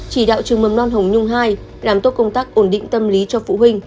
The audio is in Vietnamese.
chỉ đạo trường mầm non hồng nhung hai làm tốt công tác ổn định tâm lý cho phụ huynh